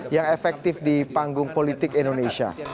yang efektif di panggung politik indonesia